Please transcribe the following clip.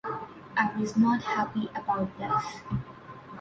I was not happy about this.